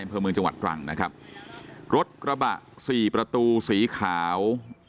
อำเภอเมืองจังหวัดตรังนะครับรถกระบะสี่ประตูสีขาว